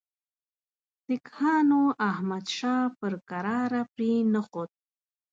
سیکهانو احمدشاه پر کراره پرې نه ښود.